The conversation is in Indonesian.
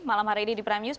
malam hari ini di prime news